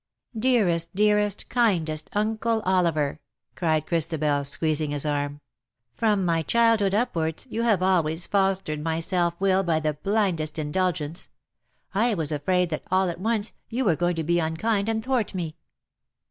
" Dear, dearest, kindest uncle Oliver !" cried Christabel, squeezing his arm. " From my childhood upwards you have always fostered my self will by IN SOCIETY. 18D the blindest indulgence. I was afraid tliat_, all at once;, you were going to be unkind and thwart me.'